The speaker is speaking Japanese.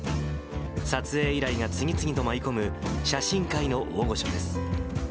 撮影依頼が次々と舞い込む写真界の大御所です。